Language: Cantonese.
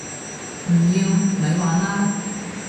唔要！咪玩啦